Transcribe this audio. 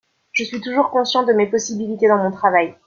Je suis toujours conscient de mes possibilités dans mon travail.